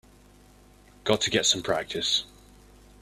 Got to get some practice.